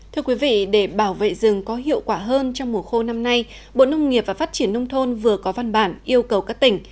thưa quý vị để bảo vệ rừng có hiệu quả hơn trong mùa khô năm nay bộ nông nghiệp và phát triển nông thôn vừa có văn bản yêu cầu các tỉnh